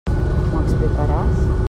M'ho explicaràs?